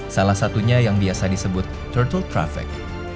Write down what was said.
salah satunya yang biasa disebut turntle traffic